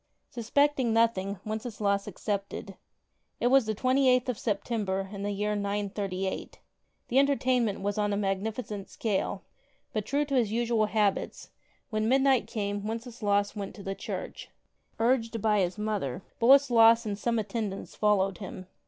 Suspecting nothing, Wenceslaus 34 accepted. It was the 28th of September in the year 938. The entertainment was on a magnificent scale, but, true to his usual habits, when midnight came Wenceslaus went to the church. Urged by his mother, Boleslas and some at tendants followed him.